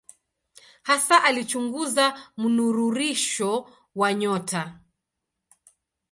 Hasa alichunguza mnururisho wa nyota.